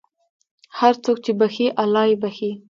هر څوک چې بښي، الله یې بښي.